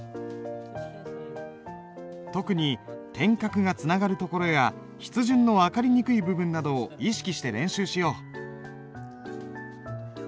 特に点画がつながるところや筆順の分かりにくい部分など意識して練習しよう。